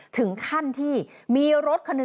ถึงขั้นที่มีรถคันหนึ่ง